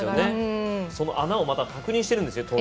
その穴をまた確認しているんですよ